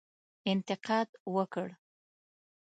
انتقاد وکړ.